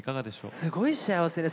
すごい幸せです。